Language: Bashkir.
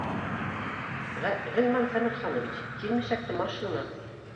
Ғилман Сәмерханович, килмешәкте машина